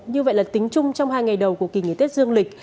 như vậy là tính chung trong hai ngày đầu của kỳ nghỉ tết dương lịch